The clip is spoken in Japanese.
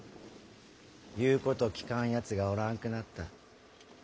言うこと聞かんやつがおらんくなった。